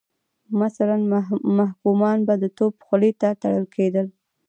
مثلا محکومان به د توپ خولې ته تړل کېدل.